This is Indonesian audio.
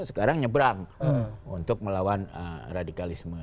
jadi dia menyeberang untuk melawan radikalisme